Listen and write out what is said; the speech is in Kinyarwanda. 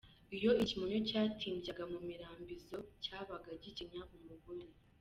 Iyo ikimonyo cyatimbyaga mu mirambizo cyabaga gikenya umugore.